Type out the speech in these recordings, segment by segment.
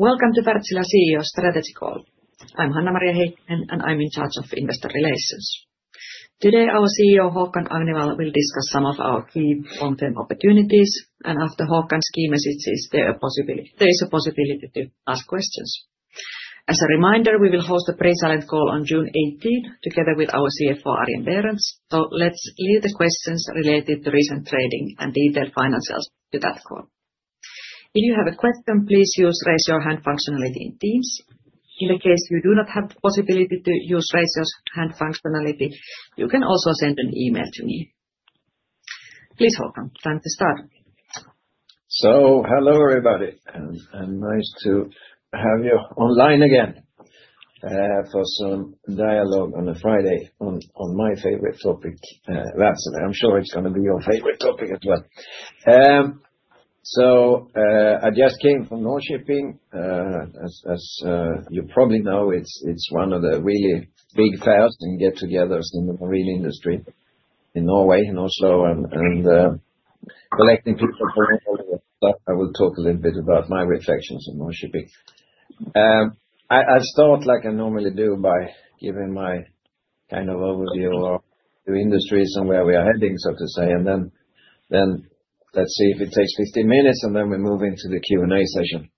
Welcome to Wärtsilä CEO Strategy Call. I'm Hanna-Maria Heikkinen, and I'm in charge of investor relations. Today, our CEO Håkan Agnevall will discuss some of our key long-term opportunities, and after Håkan's key messages, there is a possibility to ask questions. As a reminder, we will host a pre-salon call on June 18 together with our CFO, Arjen Berends, so let's leave the questions related to recent trading and detailed financials to that call. If you have a question, please use the raise your hand functionality in Teams. In the case you do not have the possibility to use the raise your hand functionality, you can also send an email to me. Please, Håkan, time to start. So, hello everybody, and nice to have you online again for some dialogue on a Friday on my favorite topic, Wärtsilä. I'm sure it's going to be your favorite topic as well. I just came from Nor-Shipping. As you probably know, it's one of the really big fairs and get-togethers in the marine industry in Norway, in Oslo, and collecting people for all the. I will talk a little bit about my reflections on Nor-Shipping. I'll start like I normally do by giving my kind of overview of the industry and where we are heading, so to say, and then let's see if it takes 15 minutes, and then we move into the Q&A session.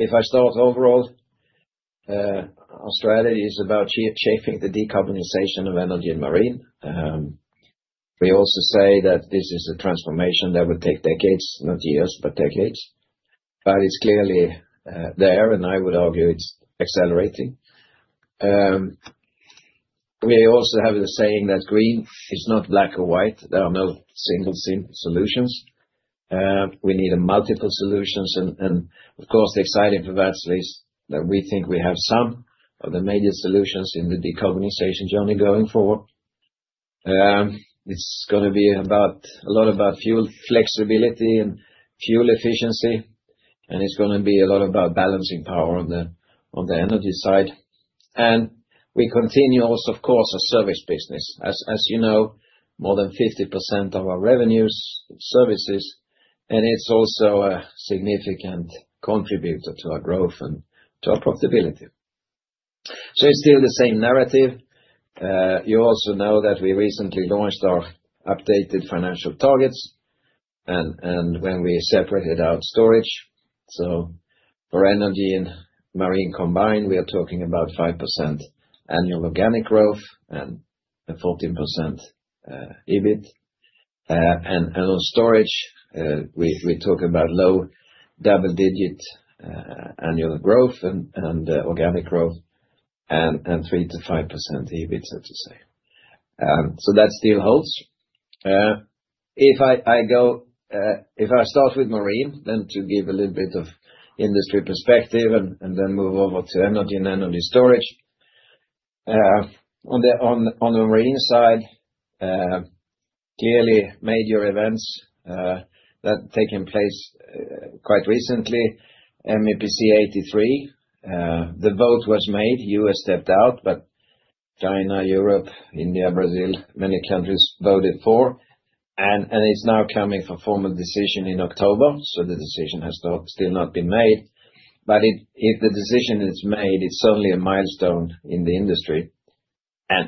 If I start overall, our strategy is about shaping the decarbonization of energy in marine. We also say that this is a transformation that will take decades, not years, but decades, but it's clearly there, and I would argue it's accelerating. We also have the saying that green is not black or white. There are no single solutions. We need multiple solutions, and of course, the exciting for Wärtsilä is that we think we have some of the major solutions in the decarbonization journey going forward. It's going to be a lot about fuel flexibility and fuel efficiency, and it's going to be a lot about balancing power on the energy side. We continue also, of course, our service business. As you know, more than 50% of our revenue is services, and it's also a significant contributor to our growth and to our profitability. It's still the same narrative. You also know that we recently launched our updated financial targets, and when we separated out storage, for energy and marine combined, we are talking about 5% annual organic growth and 14% EBIT. On storage, we talk about low double-digit annual growth and organic growth and 3%-5% EBIT, so to say. That still holds. If I start with marine, to give a little bit of industry perspective and then move over to energy and energy storage. On the marine side, clearly major events that have taken place quite recently, MEPC 83, the vote was made, the U.S. stepped out, but China, Europe, India, Brazil, many countries voted for, and it is now coming for formal decision in October, so the decision has still not been made. If the decision is made, it is only a milestone in the industry. I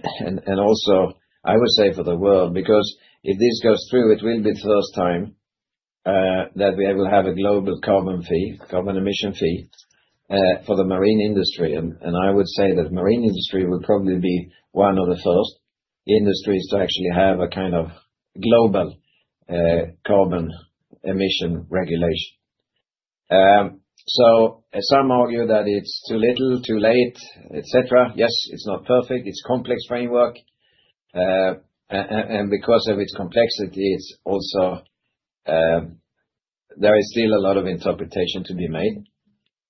would say for the world, because if this goes through, it will be the first time that we will have a global carbon fee, carbon emission fee for the marine industry. I would say that the marine industry will probably be one of the first industries to actually have a kind of global carbon emission regulation. Some argue that it's too little, too late, etc. Yes, it's not perfect, it's a complex framework, and because of its complexity, there is still a lot of interpretation to be made.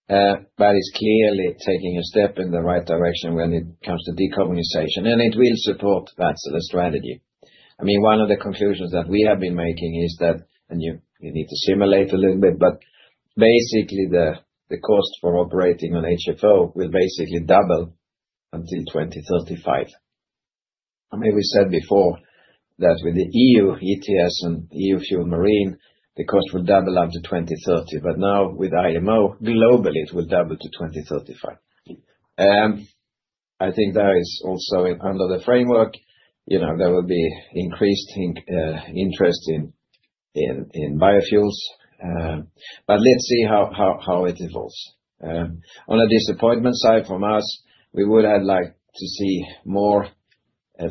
It's clearly taking a step in the right direction when it comes to decarbonization, and it will support Wärtsilä strategy. I mean, one of the conclusions that we have been making is that, and you need to simulate a little bit, but basically the cost for operating on HFO will basically double until 2035. I mean, we said before that with the EU ETS and EU Fuel Marine, the cost will double up to 2030, but now with IMO, globally, it will double to 2035. I think that is also under the framework, you know, there will be increased interest in biofuels, but let's see how it evolves. On a disappointment side from us, we would have liked to see more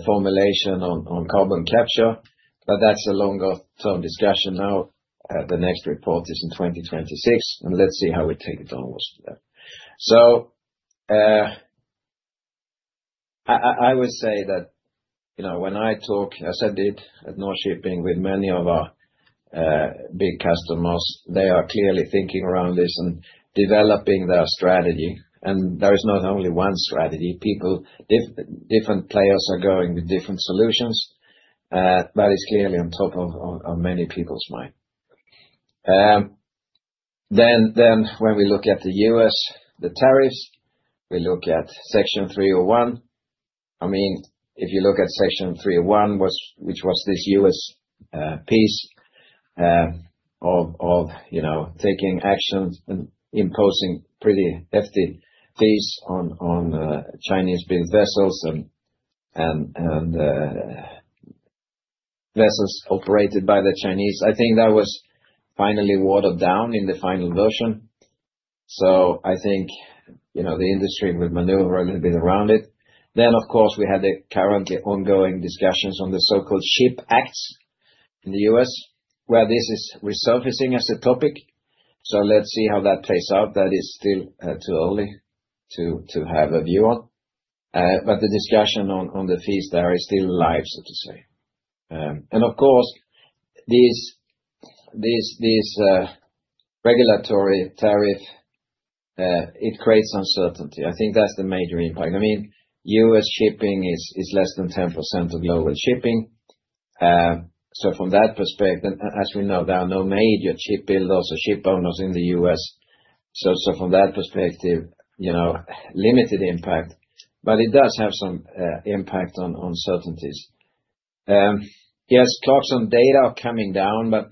formulation on carbon capture, but that's a longer-term discussion now. The next report is in 2026, and let's see how we take it onwards from there. I would say that, you know, when I talk, as I did at Nor-Shipping with many of our big customers, they are clearly thinking around this and developing their strategy, and there is not only one strategy. People, different players are going with different solutions, but it's clearly on top of many people's minds. When we look at the U.S., the tariffs, we look at Section 301. I mean, if you look at Section 301, which was this U.S. piece of taking action and imposing pretty hefty fees on Chinese-built vessels and vessels operated by the Chinese, I think that was finally watered down in the final version. I think, you know, the industry will maneuver a little bit around it. Of course, we had the currently ongoing discussions on the so-called SHIP Acts in the U.S., where this is resurfacing as a topic. Let's see how that plays out. That is still too early to have a view on, but the discussion on the fees there is still live, so to say. Of course, this regulatory tariff, it creates uncertainty. I think that's the major impact. I mean, U.S. shipping is less than 10% of global shipping. From that perspective, as we know, there are no major shipbuilders or shipowners in the U.S. From that perspective, you know, limited impact, but it does have some impact on certainties. Yes, clocks on data are coming down, but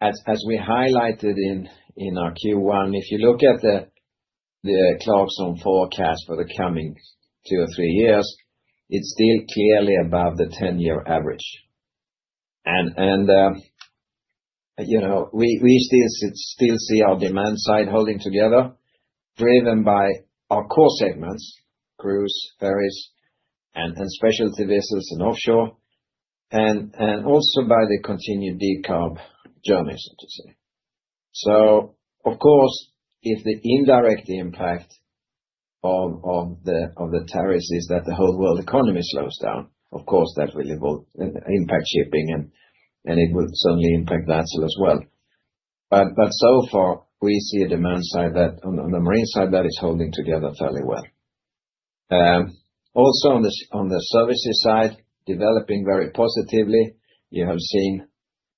as we highlighted in our Q1, if you look at the clocks on forecast for the coming two or three years, it is still clearly above the 10-year average. You know, we still see our demand side holding together, driven by our core segments, cruise, ferries, and specialty vessels and offshore, and also by the continued decarb journey, so to say. Of course, if the indirect impact of the tariffs is that the whole world economy slows down, that will impact shipping, and it will certainly impact Wärtsilä as well. So far, we see a demand side that on the marine side is holding together fairly well. Also, on the services side, developing very positively. You have seen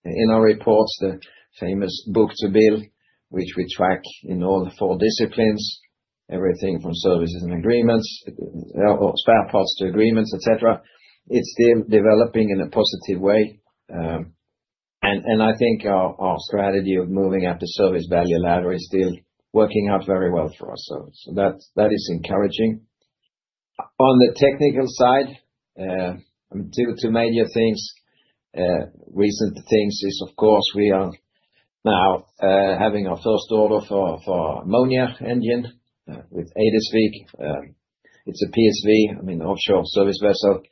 in our reports the famous book-to-bill, which we track in all four disciplines, everything from services and agreements, spare parts to agreements, etc. It is still developing in a positive way. I think our strategy of moving up the service value ladder is still working out very well for us. That is encouraging. On the technical side, two major things, recent things is, of course, we are now having our first order for an ammonia engine with a PSV. I mean, offshore service vessel,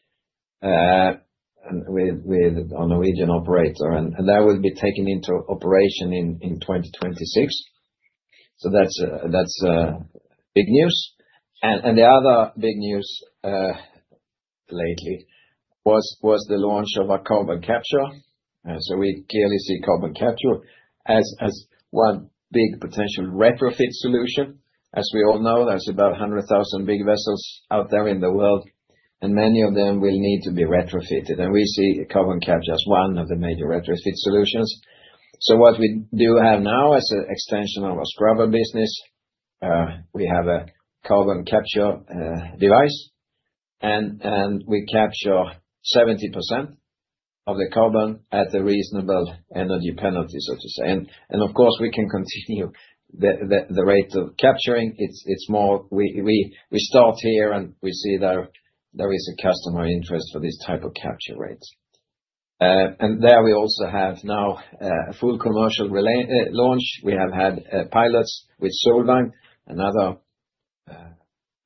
with our Norwegian operator, and that will be taken into operation in 2026. That is big news. The other big news lately was the launch of our carbon capture. We clearly see carbon capture as one big potential retrofit solution. As we all know, there are about 100,000 big vessels out there in the world, and many of them will need to be retrofitted. We see carbon capture as one of the major retrofit solutions. What we do have now as an extension of our scrubber business, we have a carbon capture device, and we capture 70% of the carbon at a reasonable energy penalty, so to say. Of course, we can continue the rate of capturing. It is more, we start here and we see there is a customer interest for this type of capture rate. There we also have now a full commercial launch. We have had pilots with Solvang, another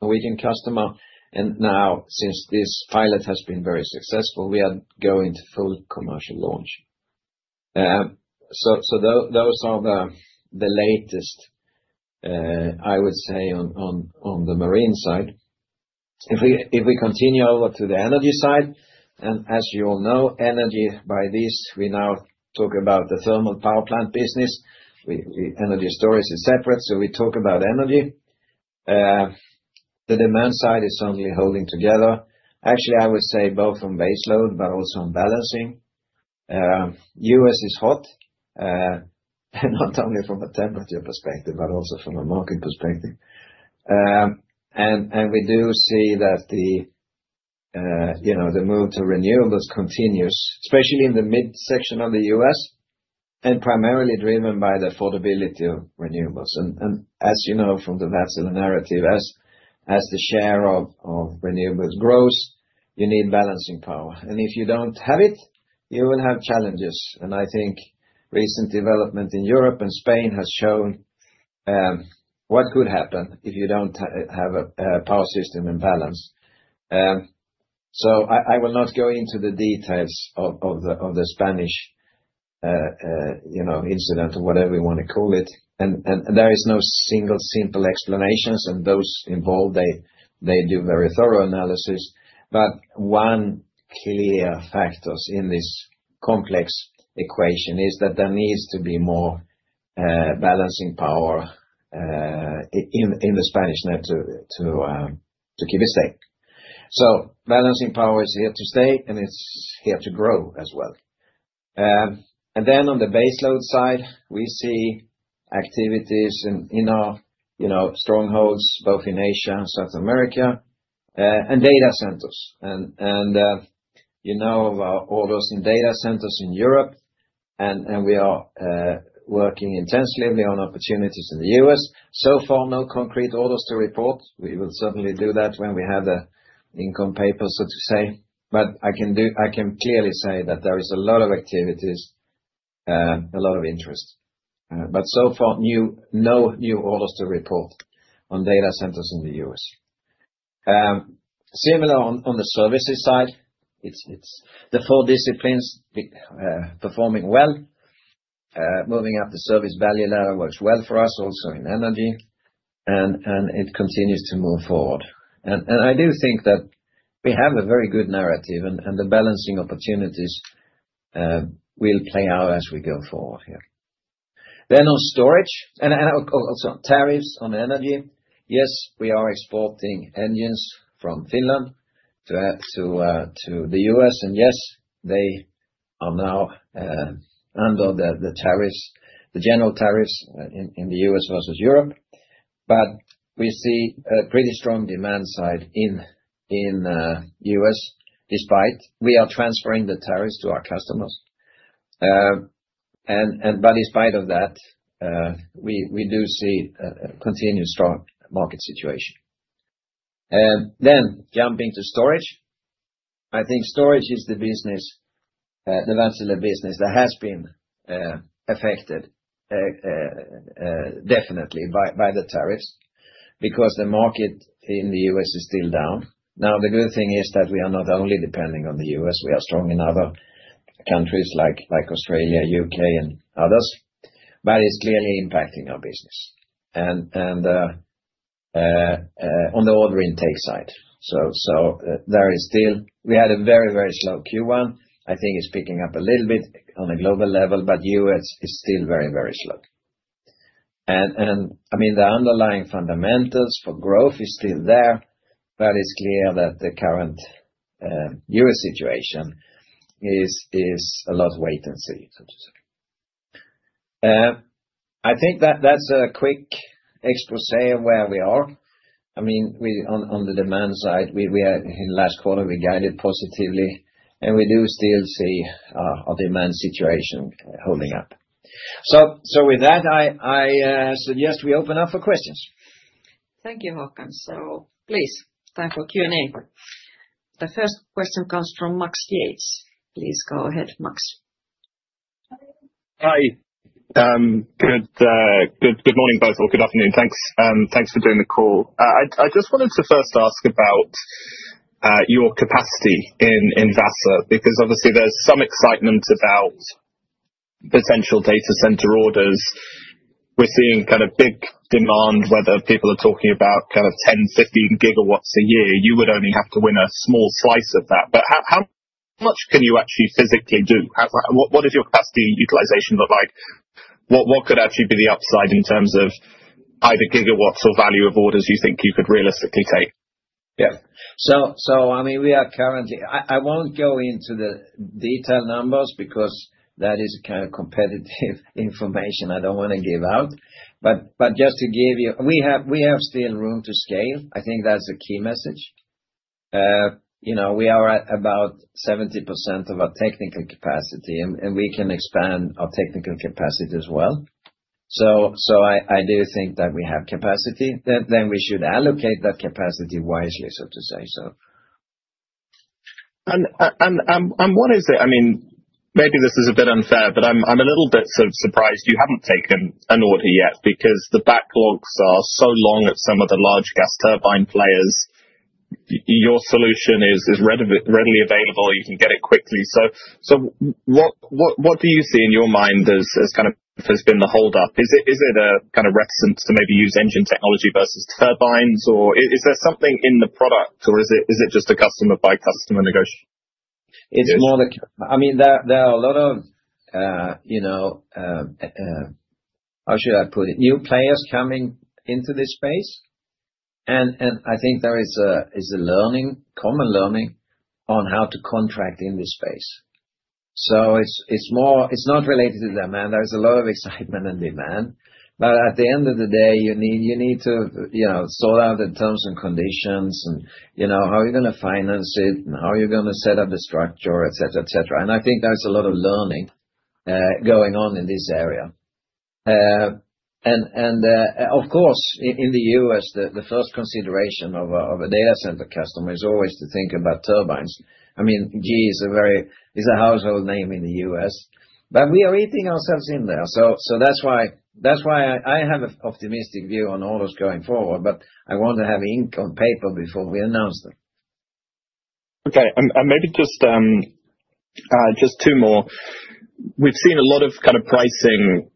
Norwegian customer. Now, since this pilot has been very successful, we are going to full commercial launch. Those are the latest, I would say, on the marine side. If we continue over to the energy side, and as you all know, energy by this, we now talk about the thermal power plant business. Energy storage is separate, so we talk about energy. The demand side is certainly holding together. Actually, I would say both on baseload, but also on balancing. U.S. is hot, not only from a temperature perspective, but also from a market perspective. We do see that the, you know, the move to renewables continues, especially in the mid-section of the U.S., and primarily driven by the affordability of renewables. As you know from the Wärtsilä narrative, as the share of renewables grows, you need balancing power. If you do not have it, you will have challenges. I think recent development in Europe and Spain has shown what could happen if you do not have a power system in balance. I will not go into the details of the Spanish, you know, incident or whatever you want to call it. There is no single simple explanation, and those involved do very thorough analysis. One clear factor in this complex equation is that there needs to be more balancing power in the Spanish net to keep it safe. Balancing power is here to stay, and it is here to grow as well. On the baseload side, we see activities in our, you know, strongholds, both in Asia and South America, and data centers. You know of our orders in data centers in Europe, and we are working intensively on opportunities in the U.S. So far, no concrete orders to report. We will certainly do that when we have the income paper, so to say. I can clearly say that there is a lot of activities, a lot of interest. So far, no new orders to report on data centers in the U.S. Similar on the services side, it's the four disciplines performing well. Moving up the service value ladder works well for us, also in energy, and it continues to move forward. I do think that we have a very good narrative, and the balancing opportunities will play out as we go forward here. On storage, and also tariffs on energy. Yes, we are exporting engines from Finland to the U.S., and yes, they are now under the tariffs, the general tariffs in the U.S. versus Europe. We see a pretty strong demand side in the U.S., despite we are transferring the tariffs to our customers. Despite that, we do see a continued strong market situation. Jumping to storage, I think storage is the business, the Wärtsilä business that has been affected definitely by the tariffs because the market in the U.S. is still down. The good thing is that we are not only depending on the U.S., we are strong in other countries like Australia, U.K., and others, but it is clearly impacting our business. On the order intake side, there is still, we had a very, very slow Q1. I think it is picking up a little bit on a global level, but the U.S. is still very, very slow. I mean, the underlying fundamentals for growth are still there, but it's clear that the current U.S. situation is a lot wait and see, so to say. I think that's a quick exposé of where we are. I mean, on the demand side, in last quarter, we guided positively, and we do still see our demand situation holding up. With that, I suggest we open up for questions. Thank you, Håkan. Please, time for Q&A. The first question comes from Max Yates. Please go ahead, Max. Hi. Good morning, both, or good afternoon. Thanks for doing the call. I just wanted to first ask about your capacity in Wärtsilä, because obviously there's some excitement about potential data center orders. We're seeing kind of big demand, whether people are talking about kind of 10, 15 GW a year, you would only have to win a small slice of that. How much can you actually physically do? What does your capacity utilization look like? What could actually be the upside in terms of either gigawatts or value of orders you think you could realistically take? Yeah. I mean, we are currently, I will not go into the detailed numbers because that is kind of competitive information I do not want to give out. Just to give you, we have still room to scale. I think that is a key message. You know, we are at about 70% of our technical capacity, and we can expand our technical capacity as well. I do think that we have capacity. We should allocate that capacity wisely, so to say. What is it? I mean, maybe this is a bit unfair, but I'm a little bit surprised you haven't taken an order yet because the backlogs are so long at some of the large gas turbine players. Your solution is readily available. You can get it quickly. What do you see in your mind as kind of has been the holdup? Is it a kind of reticence to maybe use engine technology versus turbines, or is there something in the product, or is it just a customer-by-customer negotiation? It's more the, I mean, there are a lot of, you know, how should I put it, new players coming into this space. I think there is a learning, common learning on how to contract in this space. It's not related to demand. There's a lot of excitement and demand. At the end of the day, you need to sort out the terms and conditions and how you're going to finance it and how you're going to set up the structure, etc., etc. I think there's a lot of learning going on in this area. Of course, in the U.S., the first consideration of a data center customer is always to think about turbines. I mean, GE is a household name in the U.S., but we are eating ourselves in there. That is why I have an optimistic view on orders going forward, but I want to have income paper before we announce them. Okay. Maybe just two more. We've seen a lot of kind of pricing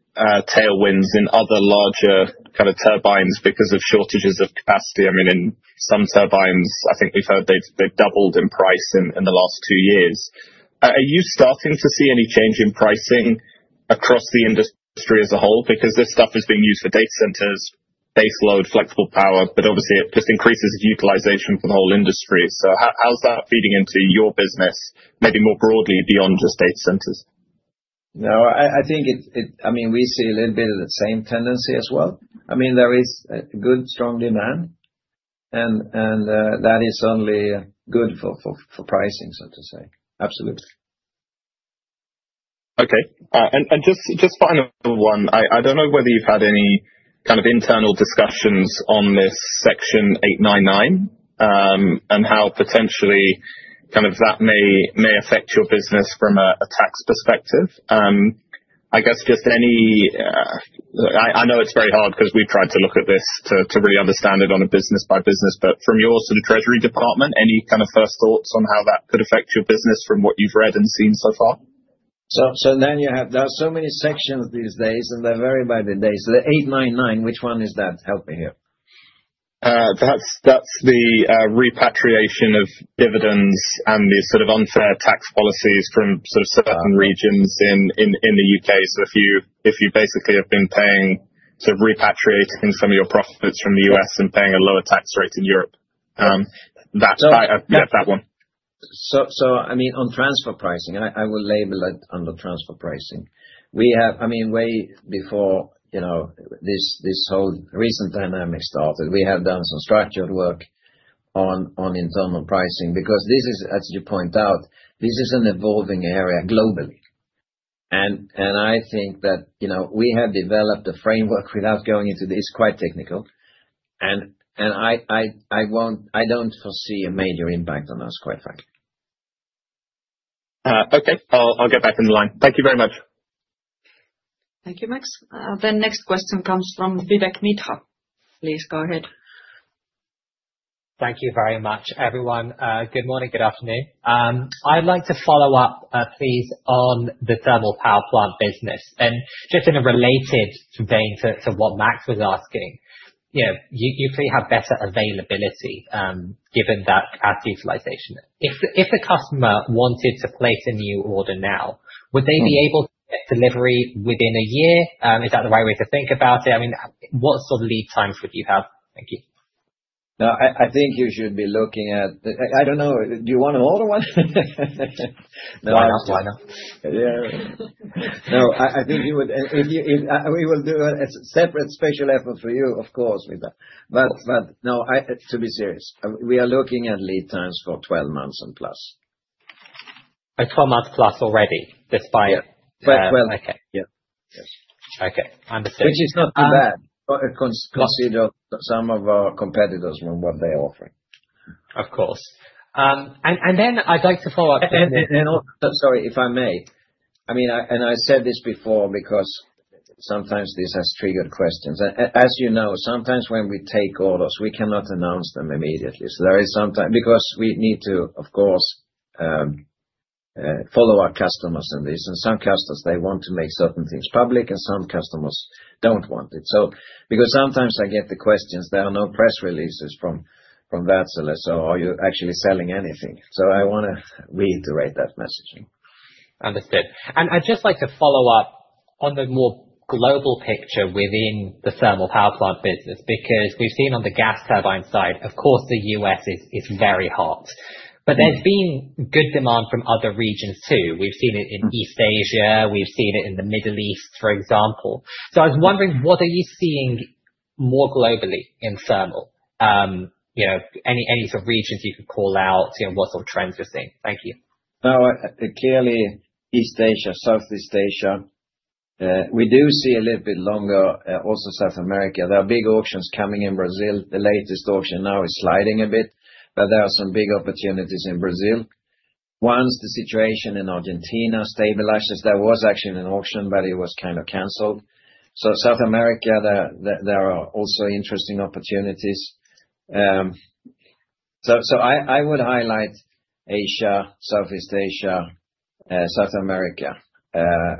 tailwinds in other larger kind of turbines because of shortages of capacity. I mean, in some turbines, I think we've heard they've doubled in price in the last two years. Are you starting to see any change in pricing across the industry as a whole? Because this stuff is being used for data centers, baseload, flexible power, but obviously it just increases utilization for the whole industry. How's that feeding into your business, maybe more broadly beyond just data centers? No, I think, I mean, we see a little bit of the same tendency as well. I mean, there is good, strong demand, and that is certainly good for pricing, so to say. Absolutely. Okay. Just final one. I don't know whether you've had any kind of internal discussions on this Section 899 and how potentially kind of that may affect your business from a tax perspective. I guess just any, I know it's very hard because we've tried to look at this to really understand it on a business-by-business, but from your sort of treasury department, any kind of first thoughts on how that could affect your business from what you've read and seen so far? There are so many sections these days, and they're very bad in days. The 899, which one is that helping you? That's the repatriation of dividends and the sort of unfair tax policies from sort of certain regions in the U.K. If you basically have been paying, sort of repatriating some of your profits from the U.S. and paying a lower tax rate in Europe, that's that one. I mean, on transfer pricing, I will label it under transfer pricing. We have, I mean, way before this whole recent dynamic started, we have done some structured work on internal pricing because this is, as you point out, this is an evolving area globally. I think that we have developed a framework without going into this, quite technical, and I do not foresee a major impact on us, quite frankly. Okay. I will get back in the line. Thank you very much. Thank you, Max. Next question comes from Vivek Midha. Please go ahead. Thank you very much, everyone. Good morning, good afternoon. I would like to follow up, please, on the thermal power plant business. Just in a related vein to what Max was asking, you clearly have better availability given that capacity utilization. If the customer wanted to place a new order now, would they be able to get delivery within a year? Is that the right way to think about it? I mean, what sort of lead times would you have? Thank you. No, I think you should be looking at, I do not know, do you want an order one? No, I know, I know. Yeah. No, I think you would, we will do a separate special effort for you, of course, with that. No, to be serious, we are looking at lead times for 12 months+. 12 months+ already, despite? Yeah. Okay. Yeah. Yes. Okay. Understood. Which is not too bad. Consider some of our competitors and what they are offering. Of course. I would like to follow up. Also, sorry if I may, I mean, and I said this before because sometimes this has triggered questions. As you know, sometimes when we take orders, we cannot announce them immediately. There is sometime, because we need to, of course, follow our customers on this. Some customers, they want to make certain things public, and some customers do not want it. Because sometimes I get the questions, there are no press releases from Wärtsilä, so are you actually selling anything? I want to reiterate that messaging. Understood. I'd just like to follow up on the more global picture within the thermal power plant business, because we've seen on the gas turbine side, of course, the U.S. is very hot. There has been good demand from other regions too. We've seen it in East Asia. We've seen it in the Middle East, for example. I was wondering, what are you seeing more globally in thermal? Any sort of regions you could call out, what sort of trends you're seeing? Thank you. No, clearly East Asia, Southeast Asia. We do see a little bit longer, also South America. There are big auctions coming in Brazil. The latest auction now is sliding a bit, but there are some big opportunities in Brazil. Once the situation in Argentina stabilizes, there was actually an auction, but it was kind of canceled. South America, there are also interesting opportunities. I would highlight Asia, Southeast Asia, South America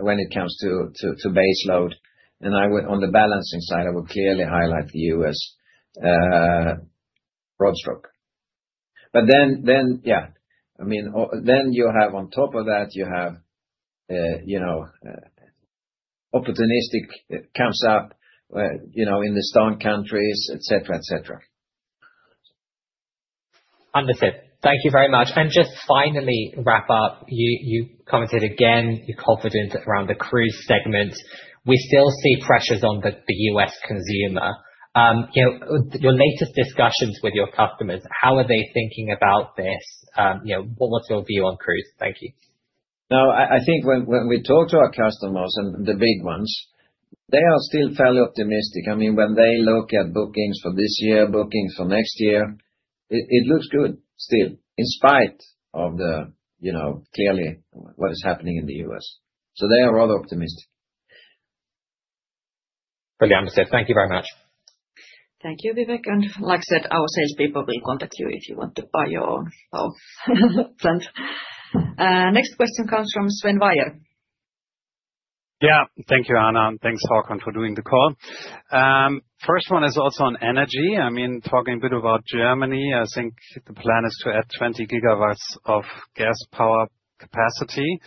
when it comes to baseload. On the balancing side, I would clearly highlight the U.S., broad stroke. Then you have on top of that, you have opportunistic comes up in the stone countries, etc., etc. Understood. Thank you very much. Just finally wrap up, you commented again, you're confident around the cruise segment. We still see pressures on the U.S. consumer. Your latest discussions with your customers, how are they thinking about this? What's your view on cruise? Thank you. No, I think when we talk to our customers, and the big ones, they are still fairly optimistic. I mean, when they look at bookings for this year, bookings for next year, it looks good still, in spite of the, clearly, what is happening in the U.S. They are rather optimistic. Brilliant. Understood. Thank you very much. Thank you, Vivek. Like I said, our salespeople will contact you if you want to buy your own plans. Next question comes from Sven Weier. Yeah. Thank you, Anna, and thanks, Håkan, for doing the call. First one is also on energy. I mean, talking a bit about Germany, I think the plan is to add 20 GW of gas power capacity.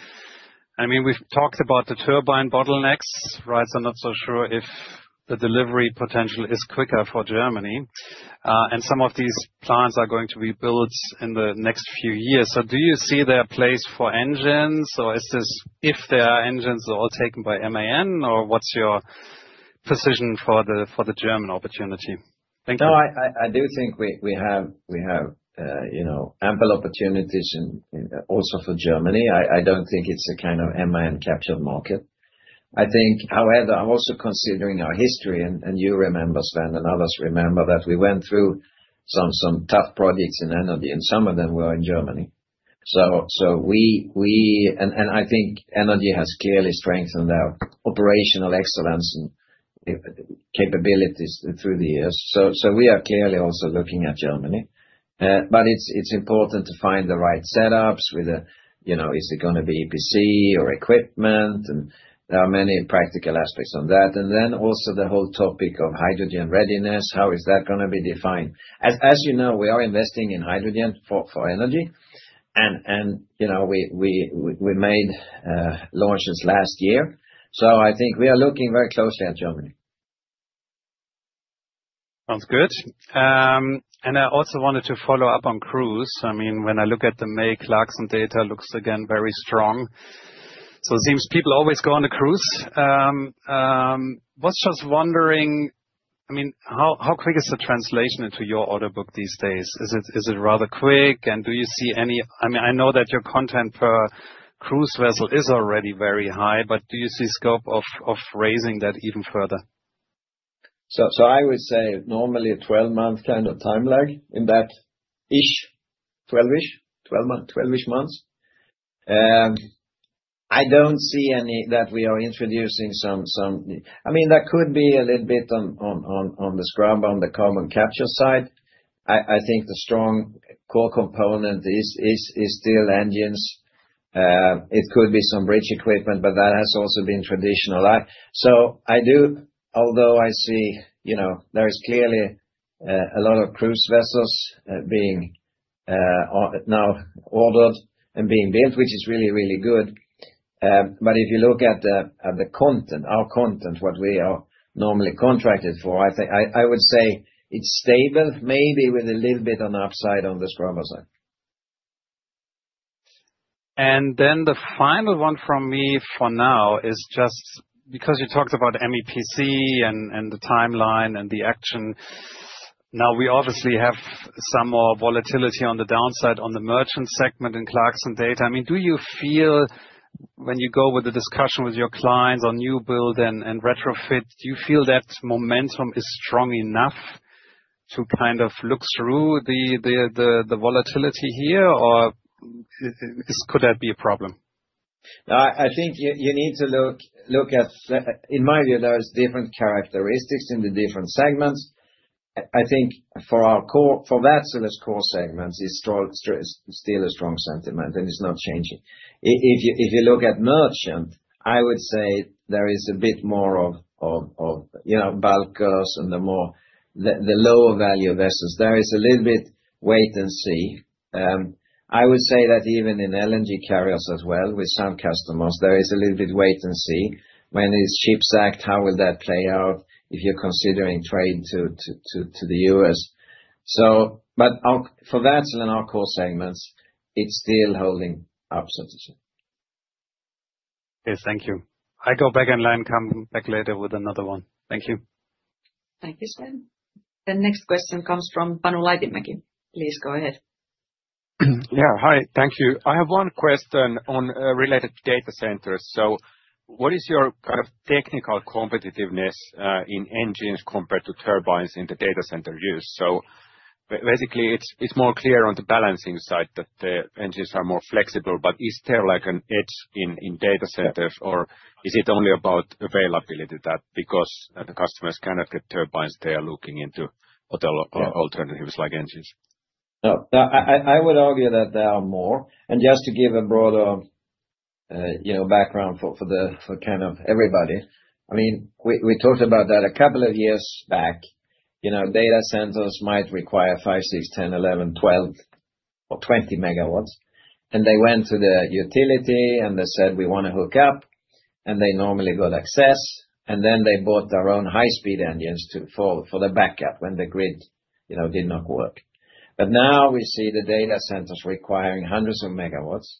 I mean, we've talked about the turbine bottlenecks, right? I'm not so sure if the delivery potential is quicker for Germany. Some of these plants are going to be built in the next few years. Do you see there a place for engines, or is this, if there are engines, they're all taken by MAN, or what's your position for the German opportunity? Thank you. No, I do think we have ample opportunities also for Germany. I don't think it's a kind of MAN captured market. I think, however, I'm also considering our history, and you remember, Sven, and others remember that we went through some tough projects in energy, and some of them were in Germany. Energy has clearly strengthened our operational excellence and capabilities through the years. We are clearly also looking at Germany. It's important to find the right setups with the, is it going to be EPC or equipment? There are many practical aspects on that. Then also the whole topic of hydrogen readiness, how is that going to be defined? As you know, we are investing in hydrogen for energy. We made launches last year. I think we are looking very closely at Germany. Sounds good. I also wanted to follow up on cruise. I mean, when I look at the May Clarkson data, it looks again very strong. It seems people always go on a cruise. I was just wondering, I mean, how quick is the translation into your order book these days? Is it rather quick? Do you see any, I mean, I know that your content per cruise vessel is already very high, but do you see scope of raising that even further? I would say normally a 12-month kind of time lag in that-ish, 12-ish, 12-ish months. I don't see any that we are introducing some, I mean, that could be a little bit on the scrub, on the carbon capture side. I think the strong core component is still engines. It could be some bridge equipment, but that has also been traditional. I do, although I see there is clearly a lot of cruise vessels being now ordered and being built, which is really, really good. If you look at the content, our content, what we are normally contracted for, I think I would say it's stable, maybe with a little bit on the upside on the scrub side. The final one from me for now is just because you talked about MEPC and the timeline and the action. Now, we obviously have some more volatility on the downside on the merchant segment in Clarkson data. I mean, do you feel when you go with the discussion with your clients on new build and retrofit, do you feel that momentum is strong enough to kind of look through the volatility here, or could that be a problem? I think you need to look at, in my view, there are different characteristics in the different segments. I think for our core, for Wärtsilä's core segments, it's still a strong sentiment, and it's not changing. If you look at merchant, I would say there is a bit more of bulkers and the lower value vessels. There is a little bit wait and see. I would say that even in LNG carriers as well, with some customers, there is a little bit wait and see. When it's ship-sacked, how will that play out if you're considering trade to the U.S.? But for Wärtsilä and our core segments, it's still holding up, so to say. Yes, thank you. I'll go back in line, come back later with another one. Thank you. Thank you, Sven. The next question comes from Panu Laitinmäki. Please go ahead. Yeah, hi. Thank you. I have one question related to data centers. What is your kind of technical competitiveness in engines compared to turbines in the data center use? Basically, it's more clear on the balancing side that the engines are more flexible, but is there like an edge in data centers, or is it only about availability that because the customers cannot get turbines, they are looking into other alternatives like engines? No, I would argue that there are more. And just to give a broader background for kind of everybody, I mean, we talked about that a couple of years back. Data centers might require 5, 6, 10, 11, 12, or 20 MW. They went to the utility, and they said, "We want to hook up." They normally got access. They bought their own high-speed engines for the backup when the grid did not work. Now we see the data centers requiring hundreds of megawatts.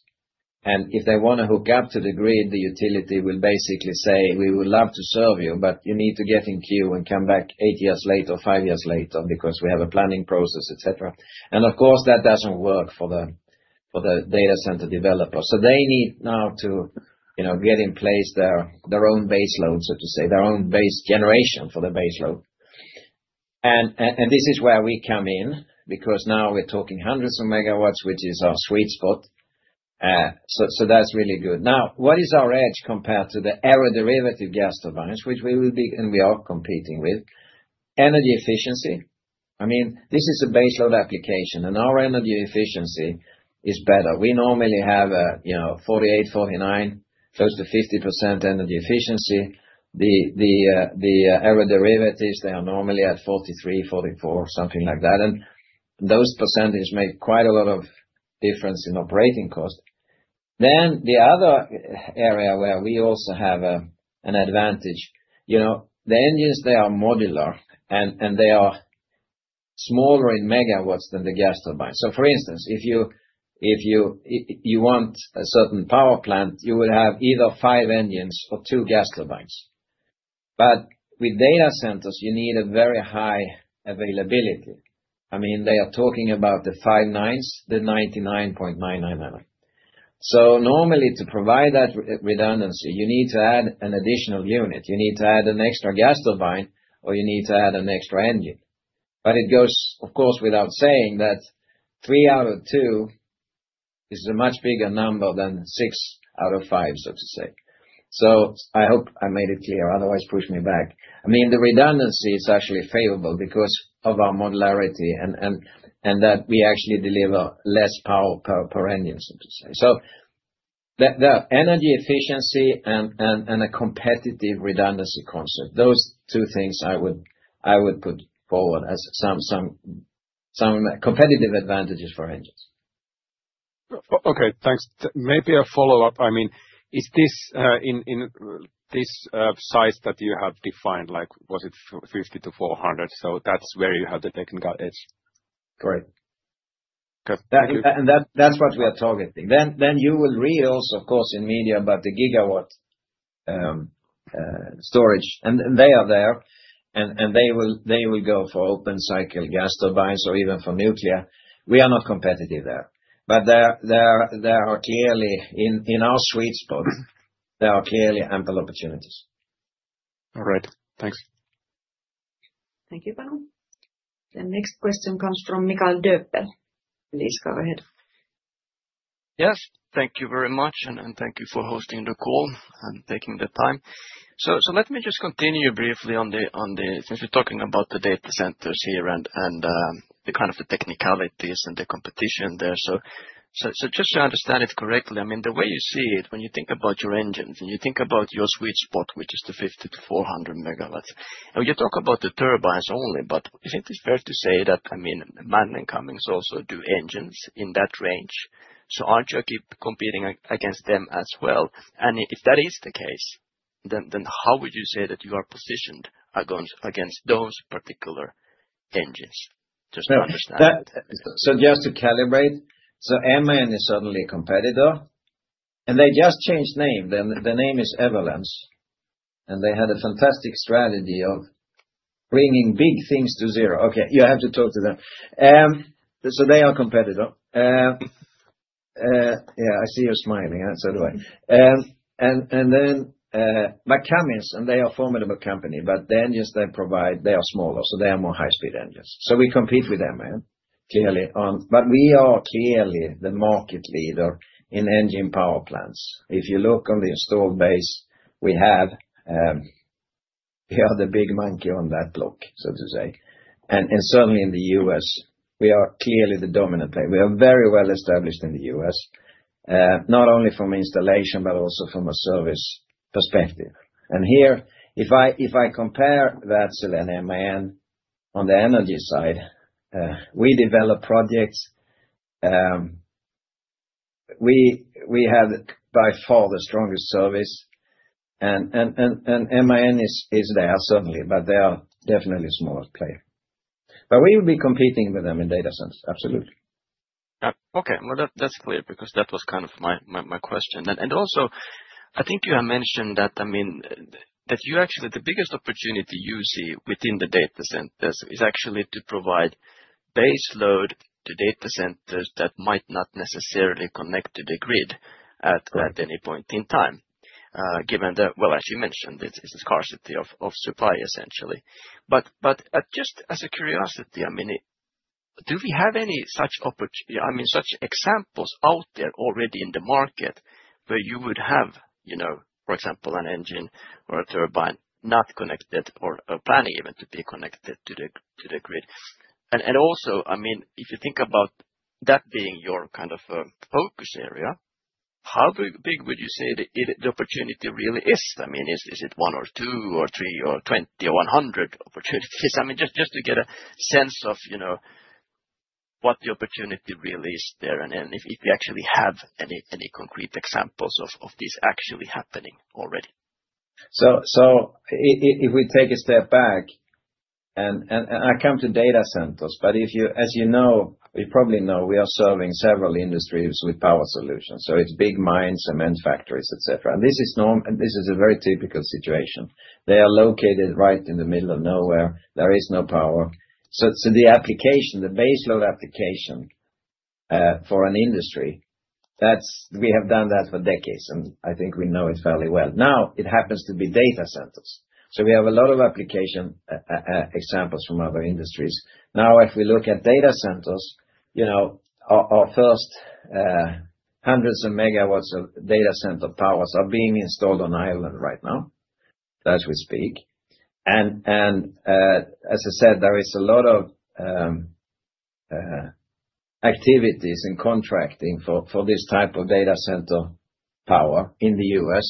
If they want to hook up to the grid, the utility will basically say, "We would love to serve you, but you need to get in queue and come back eight years later or five years later because we have a planning process," etc. Of course, that does not work for the data center developer. They need now to get in place their own baseload, so to say, their own base generation for the baseload. This is where we come in because now we're talking hundreds of megawatts, which is our sweet spot. That's really good. What is our edge compared to the aeroderivative gas turbines, which we will be and we are competing with? Energy efficiency. I mean, this is a baseload application, and our energy efficiency is better. We normally have a 48%, 49%, close to 50% energy efficiency. The aeroderivatives, they are normally at 43%, 44%, something like that. Those percentages make quite a lot of difference in operating cost. The other area where we also have an advantage, the engines, they are modular, and they are smaller in megawatts than the gas turbines. For instance, if you want a certain power plant, you would have either five engines or two gas turbines. With data centers, you need a very high availability. I mean, they are talking about the five nines, the 99.999. Normally, to provide that redundancy, you need to add an additional unit. You need to add an extra gas turbine, or you need to add an extra engine. It goes, of course, without saying that three out of two is a much bigger number than six out of five, so to say. I hope I made it clear. Otherwise, push me back. The redundancy is actually favorable because of our modularity and that we actually deliver less power per engine, so to say. The energy efficiency and a competitive redundancy concept, those two things I would put forward as some competitive advantages for engines. Okay. Thanks. Maybe a follow-up. Is this in this size that you have defined, like was it 50 to 400? That's where you have the technical edge. Correct. Thank you. That's what we are targeting. You will read also, of course, in media about the gigawatts storage. They are there, and they will go for open-cycle gas turbines or even for nuclear. We are not competitive there. In our sweet spots, there are clearly ample opportunities. All right. Thanks. Thank you, Panu. The next question comes from Mikael Döppel. Please go ahead. Yes. Thank you very much, and thank you for hosting the call and taking the time. Let me just continue briefly on the, since we're talking about the data centers here and the kind of technicalities and the competition there. Just to understand it correctly, I mean, the way you see it, when you think about your engines and you think about your sweet spot, which is the 50 MW - 400 MW, you talk about the turbines only, but isn't it fair to say that, I mean, MAN and Cummins also do engines in that range? Aren't you competing against them as well? If that is the case, then how would you say that you are positioned against those particular engines? Just to understand. Just to calibrate, so MAN is suddenly a competitor. They just changed name. The name is Evelance. They had a fantastic strategy of bringing big things to zero. Okay, you have to talk to them. They are a competitor. Yeah, I see you're smiling. That's a little way. And then Cummins, and they are a formidable company. The engines they provide, they are smaller, so they are more high-speed engines. We compete with MAN, clearly. We are clearly the market leader in engine power plants. If you look on the installed base, we have the other big monkey on that block, so to say. Certainly in the U.S., we are clearly the dominant player. We are very well established in the U.S., not only from installation, but also from a service perspective. Here, if I compare Wärtsilä and MAN on the energy side, we develop projects. We have by far the strongest service. MAN is there certainly, but they are definitely a smaller player. We will be competing with them in data centers. Absolutely. Okay. That is clear because that was kind of my question. Also, I think you have mentioned that, I mean, that you actually, the biggest opportunity you see within the data centers is actually to provide baseload to data centers that might not necessarily connect to the grid at any point in time, given that, as you mentioned, it's a scarcity of supply, essentially. Just as a curiosity, I mean, do we have any such opportunity, I mean, such examples out there already in the market where you would have, for example, an engine or a turbine not connected or planning even to be connected to the grid? Also, I mean, if you think about that being your kind of focus area, how big would you say the opportunity really is? I mean, is it one or two or three or 20 or 100 opportunities? I mean, just to get a sense of what the opportunity really is there and if you actually have any concrete examples of this actually happening already. If we take a step back, and I come to data centers, but if you, as you know, you probably know we are serving several industries with power solutions. It is big mines, cement factories, etc. This is a very typical situation. They are located right in the middle of nowhere. There is no power. The application, the baseload application for an industry, we have done that for decades, and I think we know it fairly well. Now, it happens to be data centers. We have a lot of application examples from other industries. Now, if we look at data centers, our first hundreds of megawatts of data center powers are being installed in Ireland right now as we speak. As I said, there is a lot of activities and contracting for this type of data center power in the U.S.,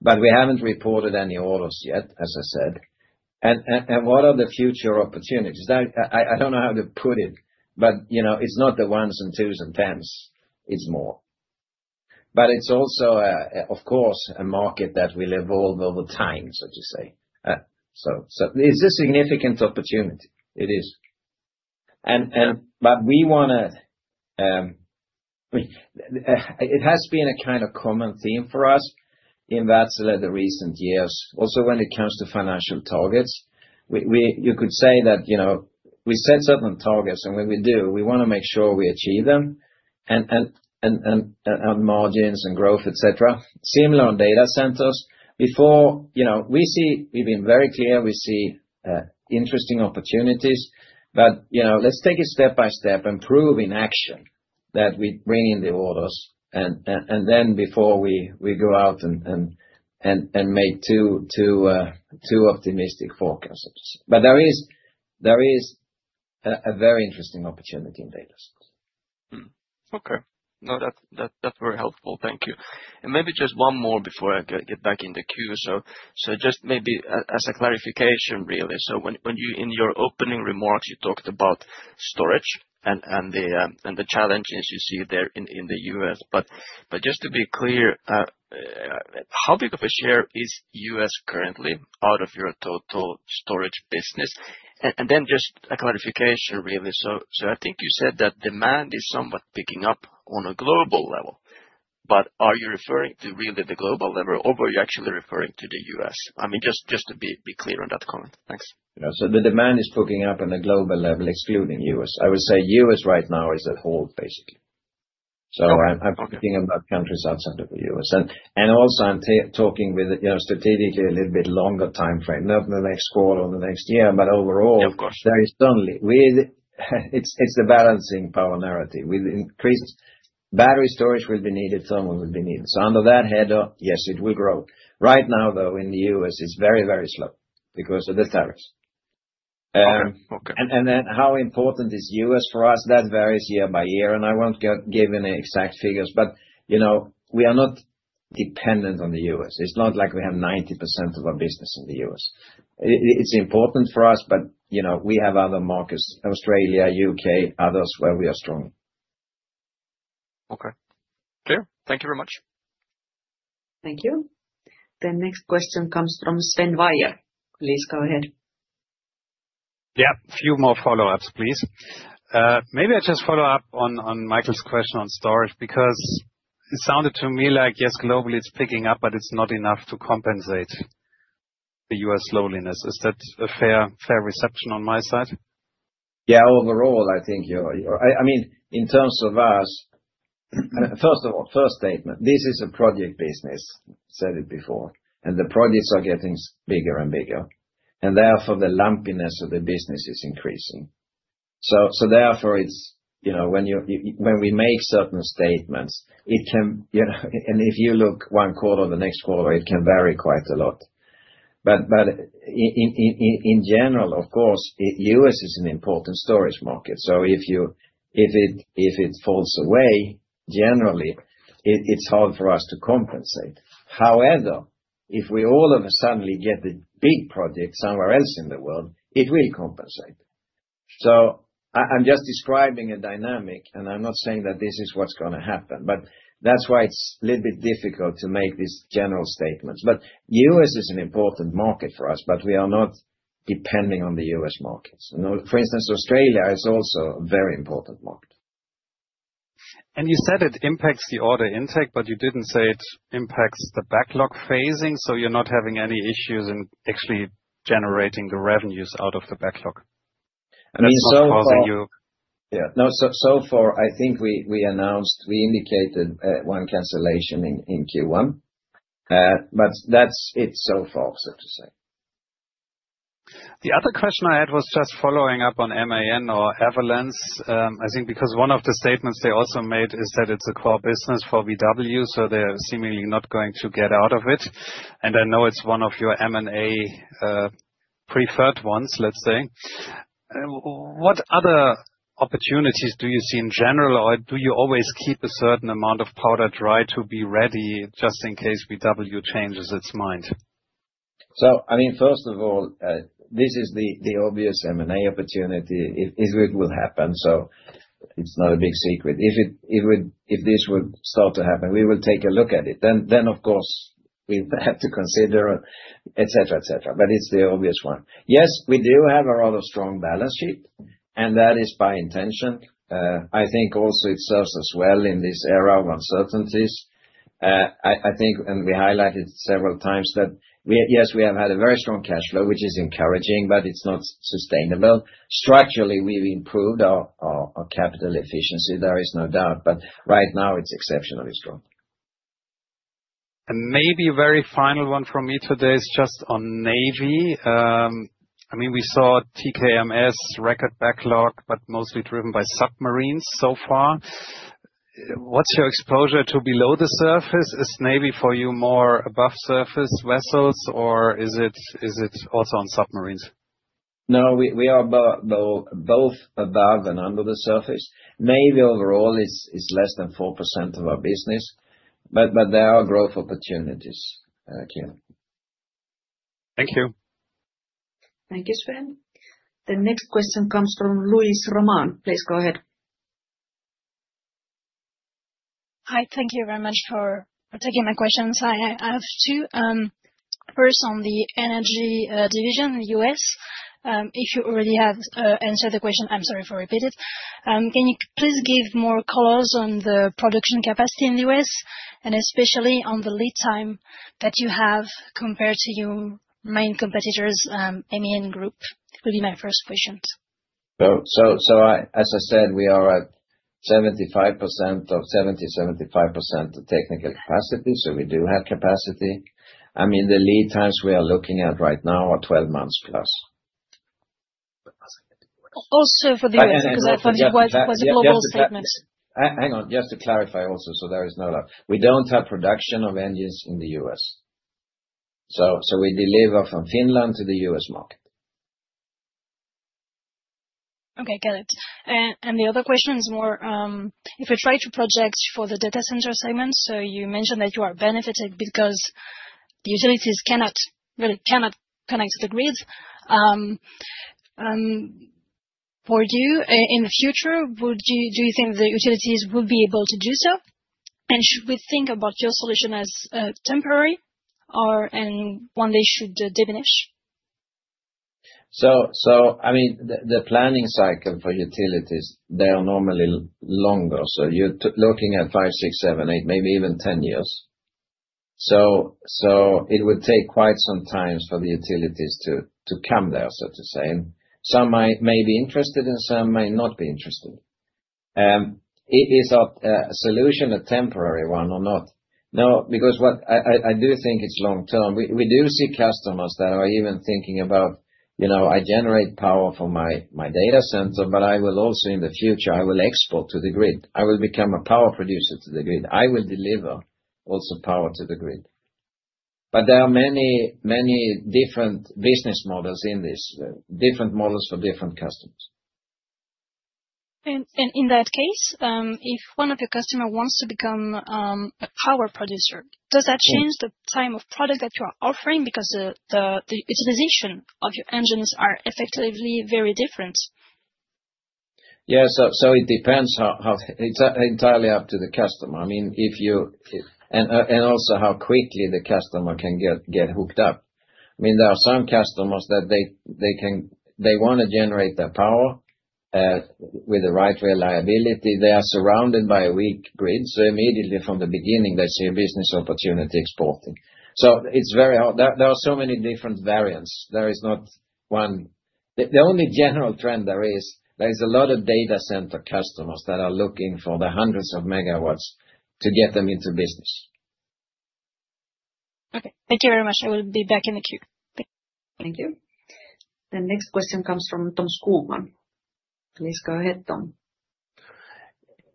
but we have not reported any orders yet, as I said. What are the future opportunities? I do not know how to put it, but it is not the ones and twos and tens. It is more. It is also, of course, a market that will evolve over time, so to say. It is a significant opportunity. It is. We want to, it has been a kind of common theme for us in Wärtsilä the recent years, also when it comes to financial targets. You could say that we set certain targets, and when we do, we want to make sure we achieve them on margins and growth, etc. Similar on data centers. Before, we see, we've been very clear. We see interesting opportunities. Let's take it step by step and prove in action that we bring in the orders. Then before we go out and make too optimistic forecasts. There is a very interesting opportunity in data centers. Okay. No, that's very helpful. Thank you. Maybe just one more before I get back in the queue. Maybe as a clarification, really. In your opening remarks, you talked about storage and the challenges you see there in the U.S. Just to be clear, how big of a share is U.S. currently out of your total storage business? Then just a clarification, really. I think you said that demand is somewhat picking up on a global level. Are you referring to really the global level, or were you actually referring to the U.S.? I mean, just to be clear on that comment. Thanks. The demand is picking up on a global level, excluding the U.S. I would say the U.S. right now is at hold, basically. I am talking about countries outside of the U.S. I am also talking with strategically a little bit longer timeframe, not in the next quarter or the next year, but overall, very suddenly, it is the balancing power narrative. Battery storage will be needed. Thermal will be needed. Under that header, yes, it will grow. Right now, though, in the U.S., it is very, very slow because of the tariffs. How important is the U.S. for us? That varies year by year. I will not give any exact figures, but we are not dependent on the U.S. It is not like we have 90% of our business in the U.S. It is important for us, but we have other markets, Australia, U.K., others where we are strong. Okay. Clear. Thank you very much. Thank you. The next question comes from Sven Weier. Please go ahead. Yeah. A few more follow-ups, please. Maybe I will just follow up on Michael's question on storage because it sounded to me like, yes, globally, it is picking up, but it is not enough to compensate the U.S. lumpiness. Is that a fair reception on my side? Yeah, overall, I think you are—I mean, in terms of us, first of all, first statement, this is a project business, said it before. The projects are getting bigger and bigger. Therefore, the lumpiness of the business is increasing. Therefore, when we make certain statements, it can—and if you look one quarter or the next quarter, it can vary quite a lot. In general, of course, U.S. is an important storage market. If it falls away, generally, it's hard for us to compensate. However, if we all of a suddenly get the big project somewhere else in the world, it will compensate. I'm just describing a dynamic, and I'm not saying that this is what's going to happen. That's why it's a little bit difficult to make these general statements. U.S. is an important market for us, but we are not depending on the U.S. markets. For instance, Australia is also a very important market. You said it impacts the order intake, but you didn't say it impacts the backlog phasing. So you're not having any issues in actually generating the revenues out of the backlog. That is not causing you—yeah. No, so far, I think we announced, we indicated one cancellation in Q1. That is it so far, so to say. The other question I had was just following up on MAN or Evelance, I think, because one of the statements they also made is that it is a core business for VW, so they are seemingly not going to get out of it. I know it is one of your M&A preferred ones, let's say. What other opportunities do you see in general, or do you always keep a certain amount of powder dry to be ready just in case VW changes its mind? I mean, first of all, this is the obvious M&A opportunity if it will happen. It is not a big secret. If this would start to happen, we will take a look at it. Of course, we'll have to consider, etc., etc. It is the obvious one. Yes, we do have a rather strong balance sheet, and that is by intention. I think also it serves us well in this era of uncertainties. I think, and we highlighted several times that, yes, we have had a very strong cash flow, which is encouraging, but it's not sustainable. Structurally, we've improved our capital efficiency. There is no doubt. Right now, it's exceptionally strong. Maybe a very final one for me today is just on Navy. I mean, we saw TKMS record backlog, but mostly driven by submarines so far. What's your exposure to below the surface? Is Navy for you more above surface vessels, or is it also on submarines? No, we are both above and under the surface. Navy overall is less than 4% of our business, but there are growth opportunities here. Thank you. Thank you, Sven. The next question comes from Luis Roman. Please go ahead. Hi. Thank you very much for taking my questions. I have two. First, on the energy division in the U.S., if you already have answered the question, I'm sorry for repeating it. Can you please give more colors on the production capacity in the U.S., and especially on the lead time that you have compared to your main competitors, MAN Energy Solutions? It will be my first question. As I said, we are at 70%-75% of technical capacity. We do have capacity. I mean, the lead times we are looking at right now are 12 months+. Also for the U.S., because I thought it was a global statement. Hang on. Just to clarify also, so there is no lie. We do not have production of engines in the U.S. We deliver from Finland to the U.S. market. Okay. Got it. The other question is more, if you try to project for the data center segment, you mentioned that you are benefiting because the utilities cannot connect to the grid. For you, in the future, do you think the utilities will be able to do so? Should we think about your solution as temporary or one they should diminish? I mean, the planning cycle for utilities, they are normally longer. You are looking at five, six, seven, eight, maybe even ten years. It would take quite some time for the utilities to come there, so to say. Some may be interested, and some may not be interested. Is that a solution, a temporary one or not? No, because I do think it's long-term. We do see customers that are even thinking about, "I generate power for my data center, but I will also, in the future, I will export to the grid. I will become a power producer to the grid. I will deliver also power to the grid." There are many different business models in this, different models for different customers. In that case, if one of your customers wants to become a power producer, does that change the type of product that you are offering because the utilization of your engines is effectively very different? Yeah. It depends. It's entirely up to the customer. I mean, and also how quickly the customer can get hooked up. I mean, there are some customers that they want to generate their power with the right reliability. They are surrounded by a weak grid. Immediately from the beginning, they see a business opportunity exporting. It is very hard. There are so many different variants. There is not one—the only general trend is there is a lot of data center customers that are looking for the hundreds of megawatts to get them into business. Okay. Thank you very much. I will be back in the queue. Thank you. The next question comes from Tom Skogman. Please go ahead, Tom.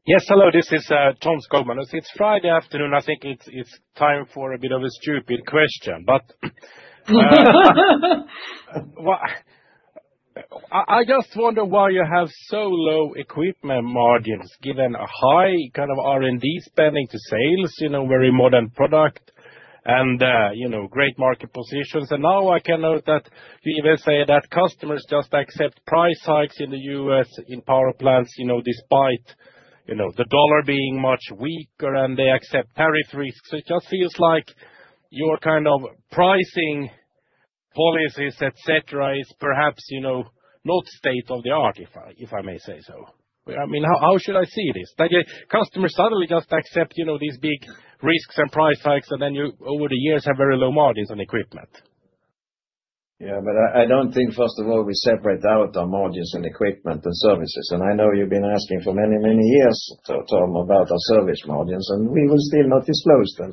Yes. Hello. This is Tom Skogman. It is Friday afternoon. I think it is time for a bit of a stupid question, but I just wonder why you have so low equipment margins given a high kind of R&D spending to sales, very modern product, and great market positions. Now I can note that you even say that customers just accept price hikes in the U.S. in power plants despite the dollar being much weaker, and they accept tariff risks. It just feels like your kind of pricing policies, etc., is perhaps not state of the art, if I may say so. I mean, how should I see this? Customers suddenly just accept these big risks and price hikes, and then you, over the years, have very low margins on equipment. Yeah. I do not think, first of all, we separate out our margins on equipment and services. I know you have been asking for many, many years to talk about our service margins, and we will still not disclose them.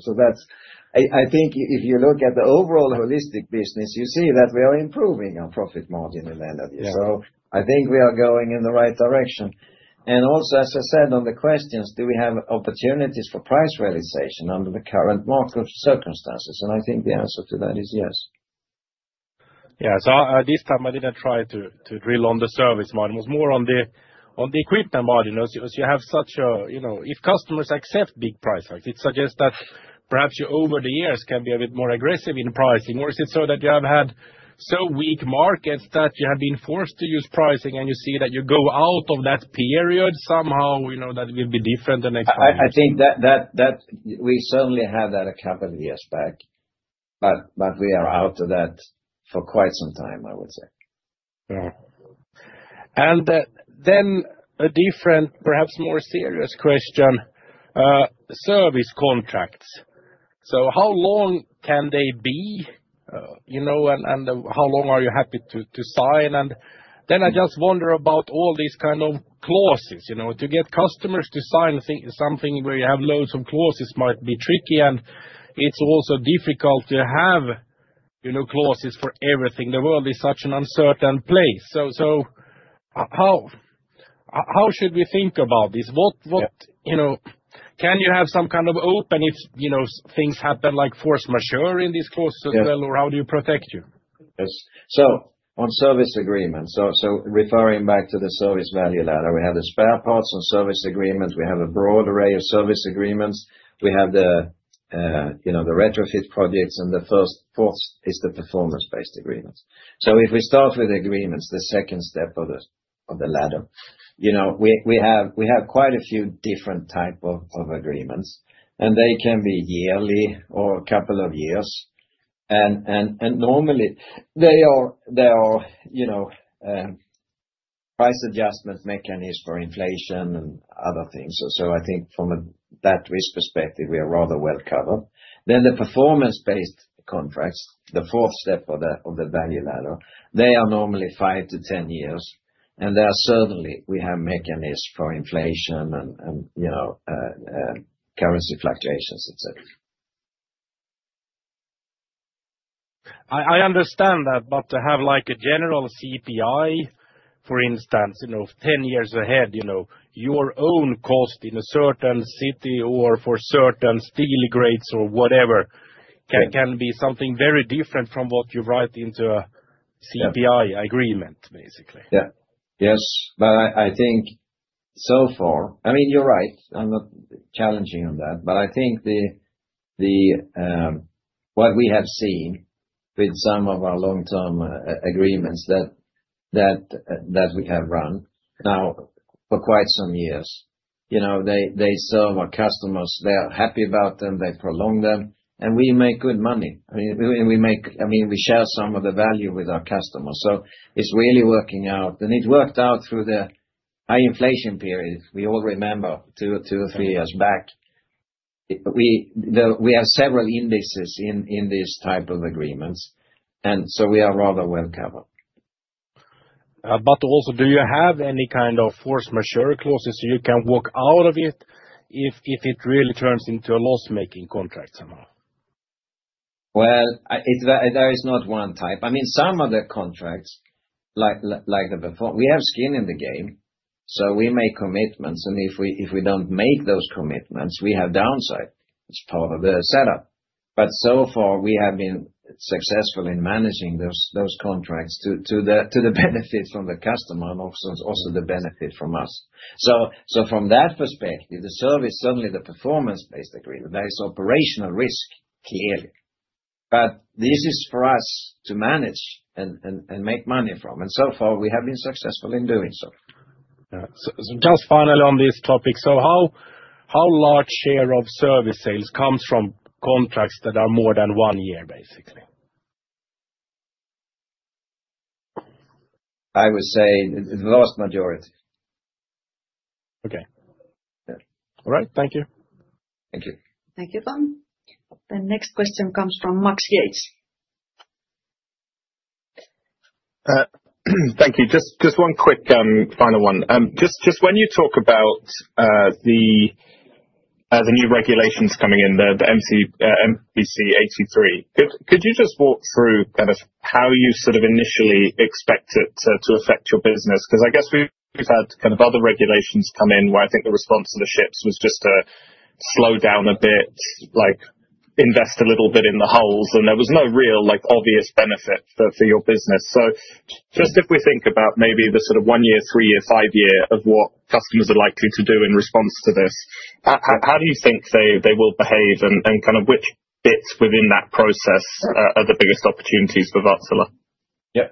I think if you look at the overall holistic business, you see that we are improving our profit margin in the end of the year. I think we are going in the right direction. Also, as I said on the questions, do we have opportunities for price realization under the current market circumstances? I think the answer to that is yes. This time, I did not try to drill on the service margin. It was more on the equipment margin. You have such a—if customers accept big price hikes, it suggests that perhaps you, over the years, can be a bit more aggressive in pricing. Or is it so that you have had so weak markets that you have been forced to use pricing, and you see that you go out of that period somehow, that it will be different the next time? I think that we certainly have that a couple of years back, but we are out of that for quite some time, I would say. A different, perhaps more serious question, service contracts. How long can they be, and how long are you happy to sign? I just wonder about all these kind of clauses to get customers to sign something where you have loads of clauses, might be tricky, and it is also difficult to have clauses for everything. The world is such an uncertain place. How should we think about this? Can you have some kind of open, if things happen, like force majeure in these clauses as well, or how do you protect you? Yes. On service agreements, referring back to the service value ladder, we have the spare parts on service agreements. We have a broad array of service agreements. We have the retrofit projects, and the first is the performance-based agreements. If we start with agreements, the second step of the ladder, we have quite a few different types of agreements, and they can be yearly or a couple of years. Normally, there are price adjustment mechanisms for inflation and other things. I think from that risk perspective, we are rather well covered. The performance-based contracts, the fourth step of the value ladder, are normally 5 to 10 years, and there are certainly mechanisms for inflation and currency fluctuations, etc. I understand that, but to have a general CPI, for instance, 10 years ahead, your own cost in a certain city or for certain steel grades or whatever can be something very different from what you write into a CPI agreement, basically. Yeah. Yes. I think so far, I mean, you're right. I'm not challenging on that. I think what we have seen with some of our long-term agreements that we have run now for quite some years, they serve our customers. They're happy about them. They prolong them. And we make good money. I mean, we share some of the value with our customers. So it's really working out. It worked out through the high inflation period, we all remember, two or three years back. We have several indices in this type of agreements, and so we are rather well covered. Also, do you have any kind of force majeure clauses so you can walk out of it if it really turns into a loss-making contract somehow? There is not one type. I mean, some of the contracts, like the performance, we have skin in the game. So we make commitments, and if we don't make those commitments, we have downside. It's part of the setup. So far, we have been successful in managing those contracts to the benefit from the customer and also the benefit from us. From that perspective, the service, certainly the performance-based agreement, there is operational risk, clearly. This is for us to manage and make money from. So far, we have been successful in doing so. Just finally on this topic, how large a share of service sales comes from contracts that are more than one year, basically? I would say the vast majority. Okay. All right. Thank you. Thank you. Thank you, Tom. The next question comes from Max Yates. Thank you. Just one quick final one. Just when you talk about the new regulations coming in, the MEPC 83, could you just walk through kind of how you sort of initially expected to affect your business? Because I guess we've had kind of other regulations come in where I think the response to the ships was just to slow down a bit, invest a little bit in the hulls, and there was no real obvious benefit for your business. Just if we think about maybe the sort of one-year, three-year, five-year of what customers are likely to do in response to this, how do you think they will behave and kind of which bits within that process are the biggest opportunities for Wärtsilä? Yeah.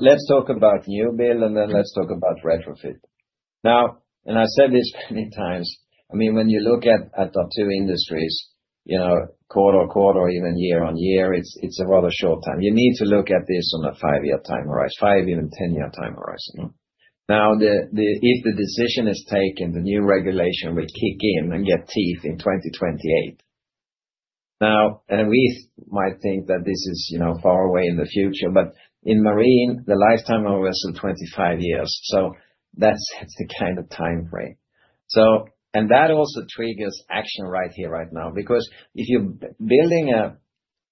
Let's talk about new build, and then let's talk about retrofit. Now, and I've said this many times, I mean, when you look at the two industries, quarter on quarter or even year-on-year, it's a rather short time. You need to look at this on a five-year time horizon, five, even ten-year time horizon. Now, if the decision is taken, the new regulation will kick in and get teeth in 2028. We might think that this is far away in the future, but in marine, the lifetime of a vessel is 25 years. That is the kind of time frame. That also triggers action right here, right now, because if you're building a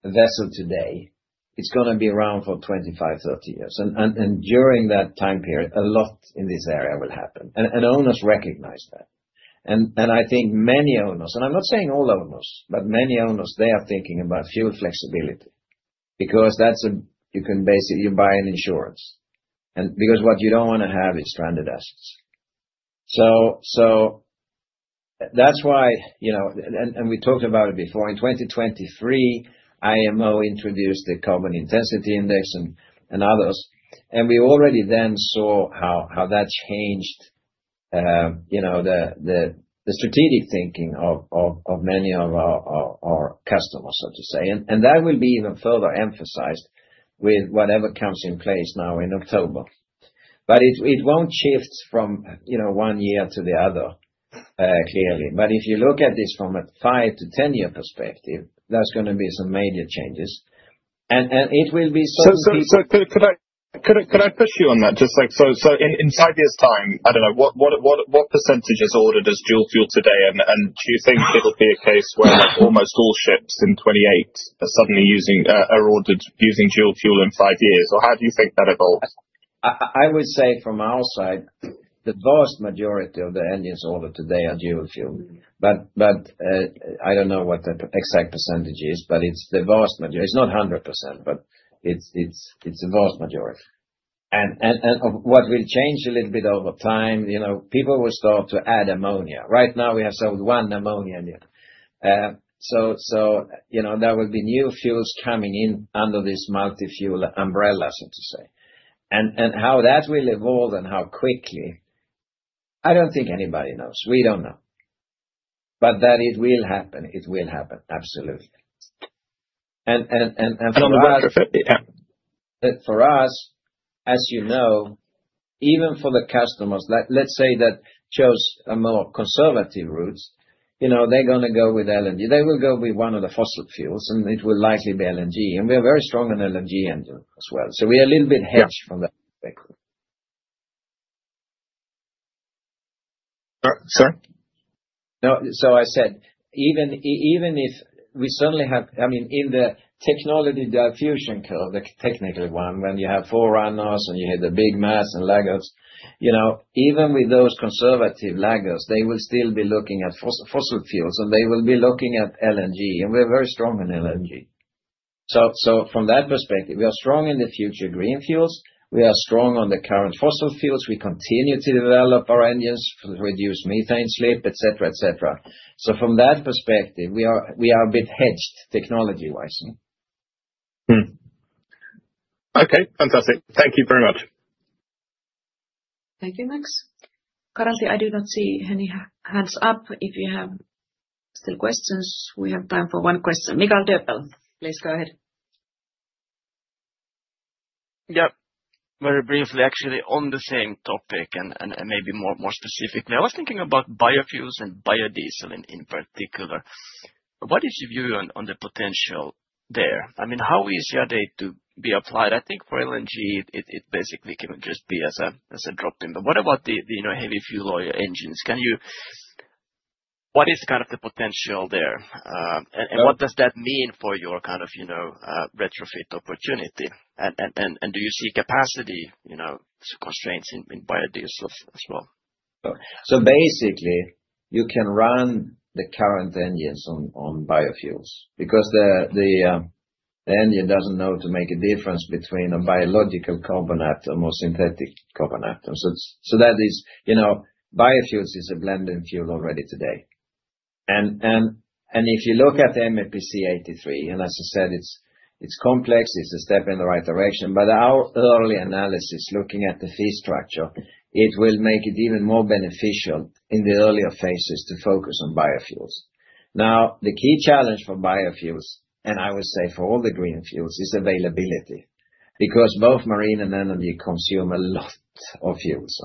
vessel today, it's going to be around for 25, 30 years. During that time period, a lot in this area will happen. Owners recognize that. I think many owners, and I'm not saying all owners, but many owners, they are thinking about fuel flexibility because you can basically buy an insurance. What you do not want to have is stranded assets. That is why, and we talked about it before, in 2023, IMO introduced the carbon intensity index and others. We already then saw how that changed the strategic thinking of many of our customers, so to say. That will be even further emphasized with whatever comes in place now in October. It will not shift from one year to the other, clearly. If you look at this from a five to ten-year perspective, there are going to be some major changes. It will be so different. Could I push you on that? Just so in five years' time, I do not know, what % is ordered as dual fuel today? Do you think it will be a case where almost all ships in 2028 are suddenly using dual fuel in five years? Or how do you think that evolves? I would say from our side, the vast majority of the engines ordered today are dual fuel. I do not know what the exact percentage is, but it is the vast majority. It is not 100%, but it is the vast majority. What will change a little bit over time, people will start to add ammonia. Right now, we have sold one ammonia unit. There will be new fuels coming in under this multi-fuel umbrella, so to say. How that will evolve and how quickly, I do not think anybody knows. We do not know. That it will happen, it will happen, absolutely. For us, as you know, even for the customers, let us say that chose a more conservative route, they are going to go with LNG. They will go with one of the fossil fuels, and it will likely be LNG. We are very strong on LNG engine as well. We are a little bit hedged from that perspective. Sorry? No. I said, even if we certainly have, I mean, in the technology diffusion curve, the technical one, when you have forerunners and you hit the big mass and laggards, even with those conservative laggards, they will still be looking at fossil fuels, and they will be looking at LNG. We are very strong on LNG. From that perspective, we are strong in the future green fuels. We are strong on the current fossil fuels. We continue to develop our engines to reduce methane slip, etc., etc. From that perspective, we are a bit hedged technology-wise. Okay. Fantastic. Thank you very much. Thank you, Max. Currently, I do not see any hands up. If you have still questions, we have time for one question. Michael Doepel, please go ahead. Yeah. Very briefly, actually, on the same topic and maybe more specifically, I was thinking about biofuels and biodiesel in particular. What is your view on the potential there? I mean, how easy are they to be applied? I think for LNG, it basically can just be as a drop-in. What about the heavy fuel oil engines? What is kind of the potential there? What does that mean for your kind of retrofit opportunity? Do you see capacity constraints in biodiesel as well? Basically, you can run the current engines on biofuels because the engine does not know to make a difference between a biological carbon atom or synthetic carbon atom. That is, biofuels is a blending fuel already today. If you look at the MEPC 83, as I said, it is complex, it is a step in the right direction. Our early analysis, looking at the fee structure, it will make it even more beneficial in the earlier phases to focus on biofuels. Now, the key challenge for biofuels, and I would say for all the green fuels, is availability because both marine and energy consume a lot of fuels.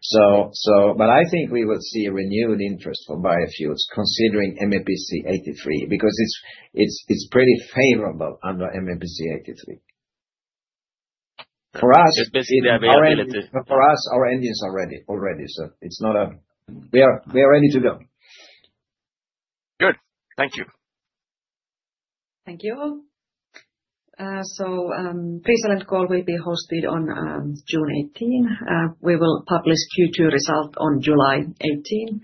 I think we will see a renewed interest for biofuels considering MEPC 83 because it is pretty favorable under MEPC 83. For us, our engines are ready. It is not a. We are ready to go. Good. Thank you. Thank you. Precall and call will be hosted on June 18. We will publish Q2 results on July 18.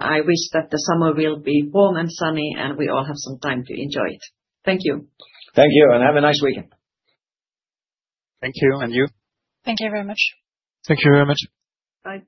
I wish that the summer will be warm and sunny, and we all have some time to enjoy it. Thank you. Thank you. Have a nice weekend. Thank you. And you? Thank you very much. Thank you very much. Bye.